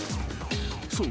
［そう。